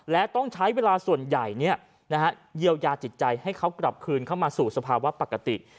และต้องใช้เวลาส่วนใหญ่เยียวยาจิตใจให้เขากลับคืนเข้ามาสู่สภาวะปกติ